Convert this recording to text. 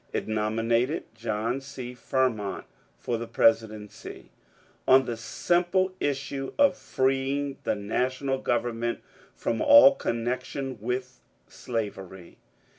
It nominated John C Fremont for the presidency, on the simple issue of freeing the national government from all connection with slavery.